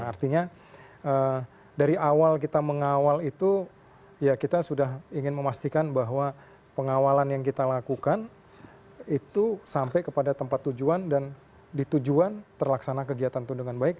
artinya dari awal kita mengawal itu ya kita sudah ingin memastikan bahwa pengawalan yang kita lakukan itu sampai kepada tempat tujuan dan ditujuan terlaksana kegiatan itu dengan baik